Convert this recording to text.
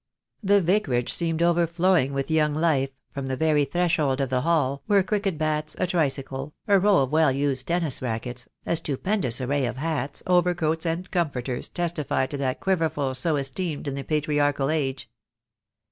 The Vicarage seemed overflowing with young life, from the very threshold of the hall, where cricket bats, a tricycle, a row of well used tennis rackets, a stu pendous array of hats, overcoats, and comforters, testified to that quiverful so esteemed in the patriarchal age.